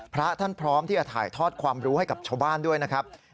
พระท่านพร้อมที่จะถ่ายทอดความรู้ให้กับชาวบ้านด้วยนะครับ